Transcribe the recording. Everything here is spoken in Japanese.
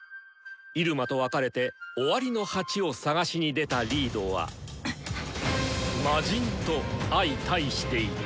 入間と別れて「終わりの鉢」を探しに出たリードは魔神と相対していた！